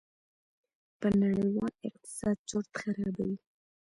په نړېوال اقتصاد چورت خرابوي.